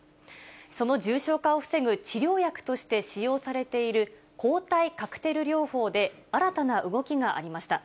その重症化を防ぐ治療薬として使用されている抗体カクテル療法で、新たな動きがありました。